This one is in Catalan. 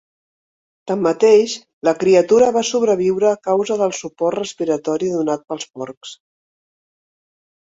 Tanmateix, la criatura va sobreviure a causa del suport respiratori donat pels porcs.